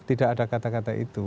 tidak ada kata kata itu